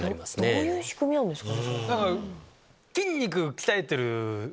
どういう仕組みですか？